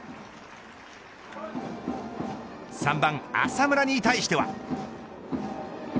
３番浅村に対しては。